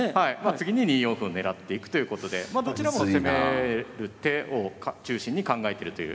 次に２四歩を狙っていくということでどちらも攻める手を中心に考えてるという。